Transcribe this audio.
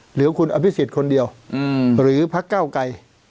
เหลือคุณอพิสิทธิ์คนเดียวอืมหรือพักเก้าไกร